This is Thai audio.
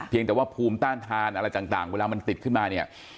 แต่ว่าภูมิต้านทานอะไรต่างเวลามันติดขึ้นมาเนี่ย